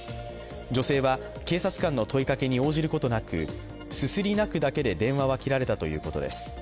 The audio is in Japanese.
女性は警察官の問いかけに応じることなく、すすり泣く声だけで電話は切られたということです。